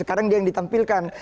sekarang dia yang ditampilkan